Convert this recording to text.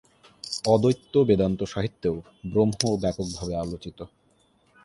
অদ্বৈত বেদান্ত সাহিত্যেও ব্রহ্ম ব্যাপকভাবে আলোচিত।